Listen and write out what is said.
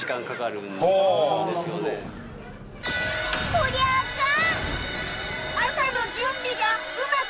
こりゃアカン！